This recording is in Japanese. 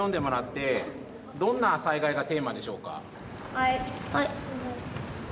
はい！